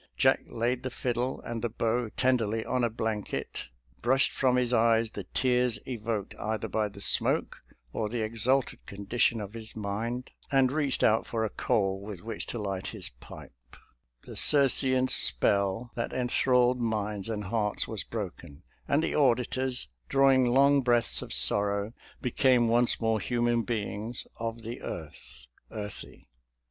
Jack laid the fiddle and the bow tenderly on a blanket, brushed from his eyes the tears evoked either by the smoke or the exalted condition of his mind, and reached out for a coal with which to light his pipe; the 190 SOLDIER'S LETTERS TO CHARMING NELLIE Circean spell that enthralled minds and hearts was broken, and the auditors, drawing long breaths of sorrow, became once more human be ings, " of the earth, earthy."